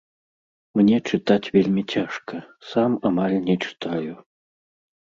Мне чытаць вельмі цяжка, сам амаль не чытаю.